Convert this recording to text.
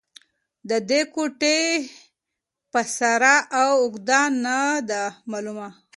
د دې کوټې پساره او اږده نه دې معلوم